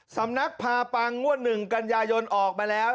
สำนักพาปังงวด๑กันยายนออกมาแล้ว